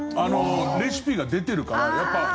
レシピが出てるから。